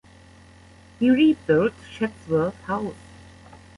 He rebuilt Chatsworth House.